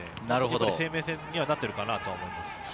生命線にはなってると思います。